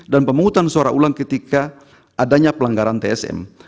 dan pemungutan suara ulang ketika adanya pelanggaran tsm